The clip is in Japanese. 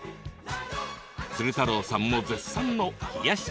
鶴太郎さんも絶賛の冷やし